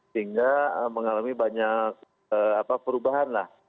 sehingga mengalami banyak perubahan lah